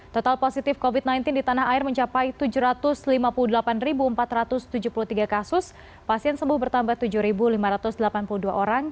total positif covid sembilan belas di tanah air mencapai tujuh ratus lima puluh delapan empat ratus tujuh puluh tiga kasus pasien sembuh bertambah tujuh lima ratus delapan puluh dua orang